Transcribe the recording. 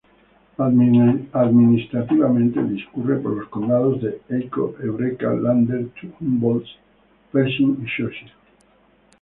Administrativamente, discurre por los condados de Elko, Eureka, Lander, Humboldt, Pershing y Churchill.